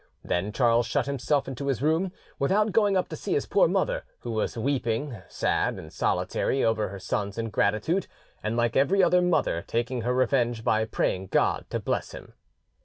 Then Charles shut himself into his room, without going up to see his poor mother, who was weeping, sad and solitary over her son's ingratitude, and like every other mother taking her revenge by praying God to bless him.